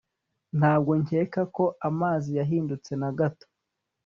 Ntabwo nkeka ko amazi yahindutse na gato